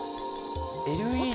ＬＥＤ？